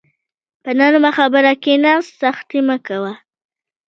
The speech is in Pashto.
په نرمه خبره کښېنه، سختي مه کوه.